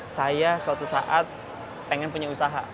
saya suatu saat pengen punya usaha